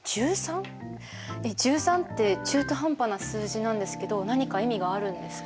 １３って中途半端な数字なんですけど何か意味があるんですか？